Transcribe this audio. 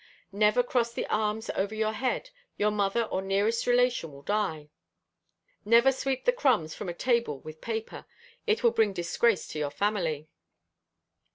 Never cross the arms over the head; your mother or nearest relation will die. Never sweep the crumbs from a table with a paper; it will bring disgrace to your family.